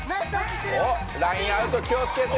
おっラインアウト気をつけて。